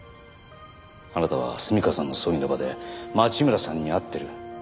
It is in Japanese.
あなたは純夏さんの葬儀の場で町村さんに会ってる。